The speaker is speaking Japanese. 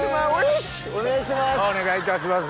お願いします。